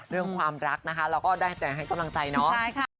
เรื่องความรักนะคะเราก็ได้แต่ให้กำลังใจเนาะ